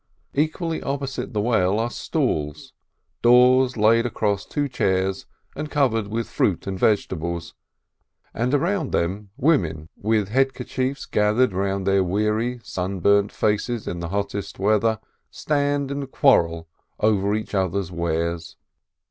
Equally opposite the well are stalls, doors laid across two chairs and covered with fruit and vegetables, and around them women, with head kerchiefs gathered round their weary, sunburnt faces in the hottest weather, stand and quarrel over each other's wares.